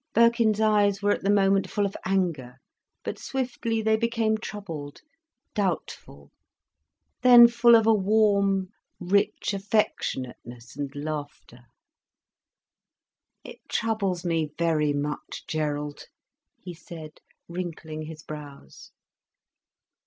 Birkin's eyes were at the moment full of anger. But swiftly they became troubled, doubtful, then full of a warm, rich affectionateness and laughter. "It troubles me very much, Gerald," he said, wrinkling his brows.